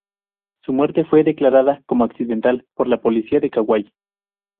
Su muerte fue declarada como "accidental" por la policía de Kauai.